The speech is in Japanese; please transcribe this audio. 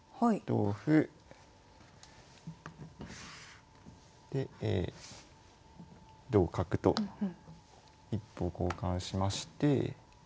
同歩で同角と一歩を交換しまして。